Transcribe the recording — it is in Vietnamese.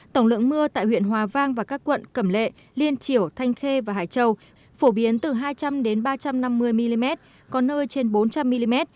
tổng lượng mưa tại huyện hòa vang và các quận cẩm lệ liên triểu thanh khê và hải châu phổ biến từ hai trăm linh ba trăm năm mươi mm có nơi trên bốn trăm linh mm